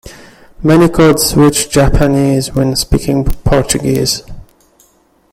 Many code-switch Japanese when speaking Portuguese.